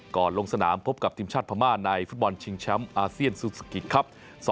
ลงสนามพบกับทีมชาติพม่าในฟุตบอลชิงแชมป์อาเซียนซูซูกิครับ